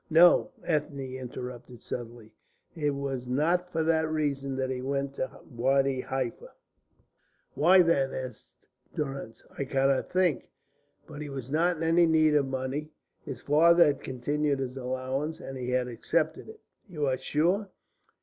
"No," Ethne interrupted suddenly. "It was not for that reason that he went to Wadi Halfa." "Why, then?" asked Durrance. "I cannot think. But he was not in any need of money. His father had continued his allowance, and he had accepted it." "You are sure?"